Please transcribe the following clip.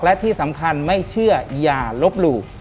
และที่สำคัญไม่เชื่ออย่าลบหลู่